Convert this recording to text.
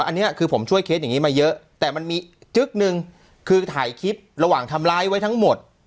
อันนี้คือผมช่วยเคสอย่างนี้มาเยอะแต่มันมีจึ๊กนึงคือถ่ายคลิประหว่างทำร้ายไว้ทั้งหมด